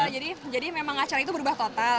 iya jadi memang acara itu berubah total